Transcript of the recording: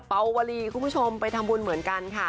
ปาวลีคุณผู้ชมไปทำบุญเหมือนกันค่ะ